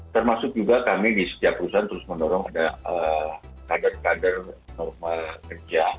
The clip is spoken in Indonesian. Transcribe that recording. termasuk juga kami di setiap perusahaan terus mendorong ada kader kader norma kerja